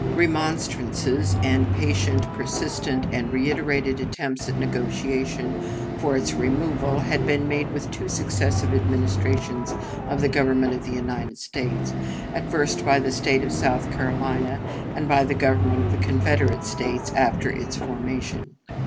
Remonstrances and patient, persistent, and reiterated attempts at negotiation for its removal had been made with two successive Administrations of the Government of the United States at first by the State of South Carolina, and by the Government of the Confederate States after its formation.